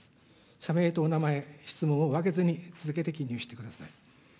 社名とお名前、質問を分けずに続けて記入してください。